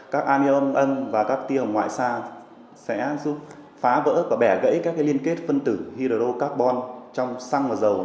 các anion âm và các tiêu hồng ngoại xa sẽ giúp phá vỡ và bẻ gãy các liên kết phân tử hydrocarbon trong xăng và dầu